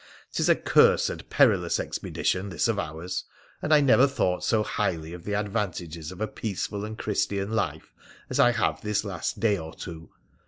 'Tis a cursed perilous expedition this of ours, and I never thought so highly of the advantages of a peaceful and Christian life as I have this last day or two.